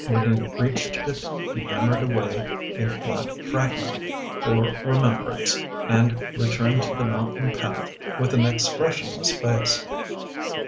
When he reached it he hammered away a flat fragment, for remem brance, and returned to the mountain path, with an ex pressionless face.